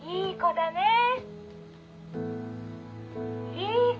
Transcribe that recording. いい子！